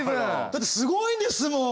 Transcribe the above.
だってすごいんですもん！